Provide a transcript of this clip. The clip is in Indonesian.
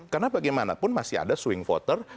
karena bagaimanapun masih ada swing voter